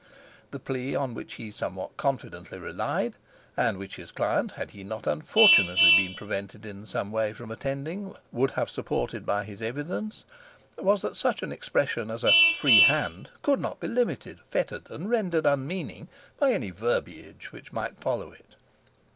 The plea on which he somewhat confidently relied, and which his client, had he not unfortunately been prevented in some way from attending, would have supported by his evidence, was that such an expression as a "free hand" could not be limited, fettered, and rendered unmeaning, by any verbiage which might follow it.